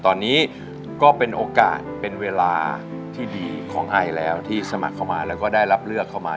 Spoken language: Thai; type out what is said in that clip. ตอนนี้ก็เป็นโอกาสเป็นเวลาที่ดีของไอแล้วที่สมัครเข้ามาแล้วก็ได้รับเลือกเข้ามา